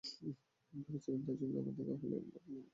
ভেবেছিলাম তার সঙ্গে আবার দেখা হলে আমার মনের কথাটি তাকে বলেই দেব।